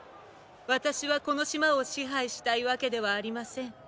私はこの島を支配したいわけではありません。